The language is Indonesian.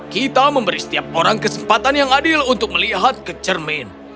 kita memberi setiap orang kesempatan yang adil untuk melihat kecermin